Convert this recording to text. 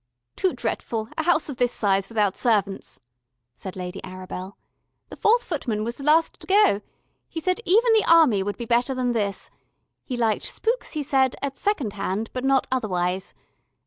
"Too dretful, a house of this size without servants," said Lady Arabel. "The fourth footman was the last to go. He said even the Army would be better than this. He liked spooks, he said, at second hand, but not otherwise.